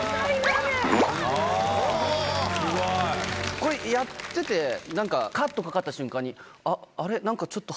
これやっててなんかカットかかった瞬間に「あれ？」。